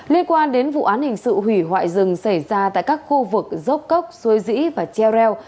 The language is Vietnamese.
liên quan đến vụ án hình sự hủy hoại rừng xảy ra tại các khu vực dốc cốc suối dĩ và treo reo